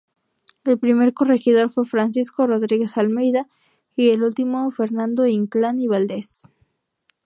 El primer corregidor fue Francisco Rodríguez Almeida, y el último, Fernando Inclán y Valdez.